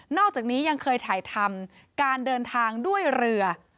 อกจากนี้ยังเคยถ่ายทำการเดินทางด้วยเรือ